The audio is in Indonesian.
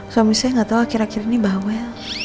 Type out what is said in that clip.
suami saya nggak tahu akhir akhir ini bahwa